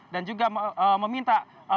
dan juga meminta